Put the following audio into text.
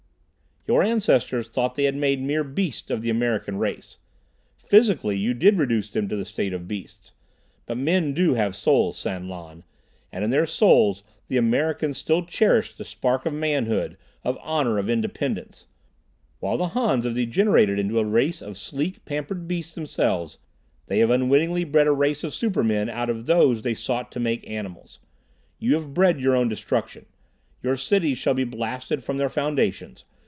"Your ancestors thought they had made mere beasts of the American race. Physically you did reduce them to the state of beasts. But men do have souls, San Lan, and in their souls the Americans still cherished the spark of manhood, of honor, of independence. While the Hans have degenerated into a race of sleek, pampered beasts themselves, they have unwittingly bred a race of super men out of those they sought to make animals. You have bred your own destruction. Your cities shall be blasted from their foundations.